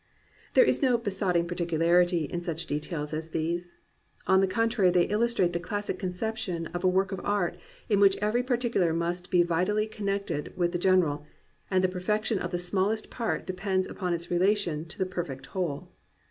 There is no "besotting particularity" in such de tails as these. On the contrary they illustrate the classic conception of a work of art, in which every particular must be vitally connected with the gen eral, and the perfection of the smallest part depends upon its relation to the perfect whole.